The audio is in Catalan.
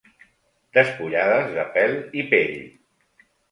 Despullades de pèl i pell.